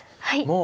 はい。